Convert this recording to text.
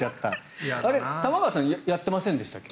玉川さんやってませんでしたっけ？